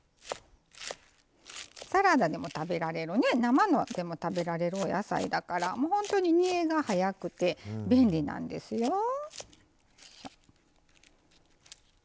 サラダでも食べられる生でも食べられるお野菜だから本当に煮えが早くて便利なんですよ。